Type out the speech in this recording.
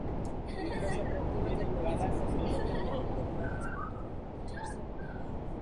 Entre los atractivos del municipio se cuenta "Nivel del mar", escultura de Richard Serra.